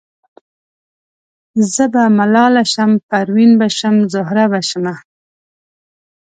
زه به ملاله شم پروین به شم زهره به شمه